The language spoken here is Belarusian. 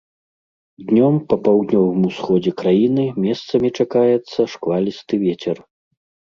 Днём па паўднёвым усходзе краіны месцамі чакаецца шквалісты вецер.